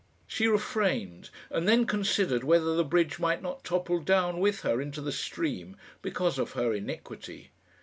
She refrained, and then considered whether the bridge might not topple down with her into the stream because of her iniquity.